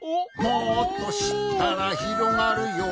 「もっとしったらひろがるよ」